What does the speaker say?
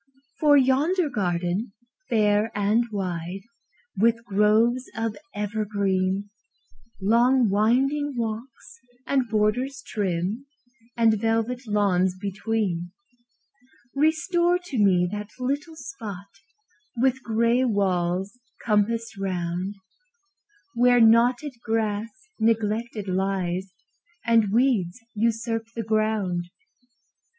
For yonder garden, fair and wide, With groves of evergreen, Long winding walks, and borders trim, And velvet lawns between; Restore to me that little spot, With gray walls compassed round, Where knotted grass neglected lies, And weeds usurp the ground.